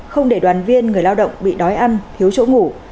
không để đoàn viên người lao động bị đói ăn thiếu chỗ ngủ